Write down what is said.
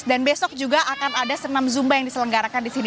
dan besok juga akan ada senam zumba yang diselenggarakan di sini